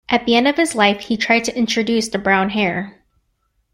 At the end of his life he tried to introduce the brown hare.